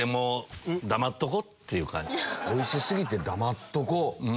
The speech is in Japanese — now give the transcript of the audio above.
おいし過ぎて黙っとこう？